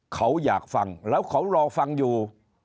เขาอยากฟังแล้วเขารอฟังอยู่